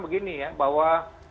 begini ya bahwa